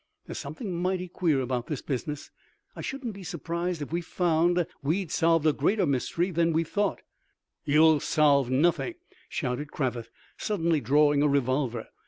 There's something mighty queer about this business. I shouldn't be surprised if we found we'd solved a greater mystery than we thought " "You'll solve nothing!" shouted Cravath, suddenly drawing a revolver.